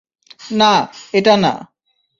না, এটা না।